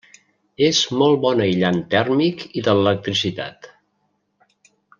És molt bon aïllant tèrmic i de l'electricitat.